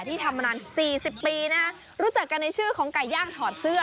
ที่ทำมานานสี่สิบปีนะฮะรู้จักกันในชื่อของไก่ย่างถอดเสื้อ